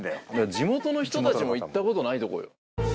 地元の人たちも行ったことないとこよ。